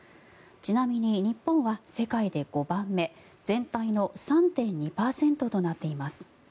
ちなみに日本は世界で５番目全体の３．２％となっています。